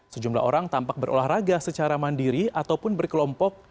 sejumlah orang tampak berolahraga secara mandiri ataupun berkelompok